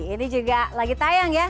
ini juga lagi tayang ya